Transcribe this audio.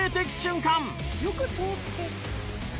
「よく撮って」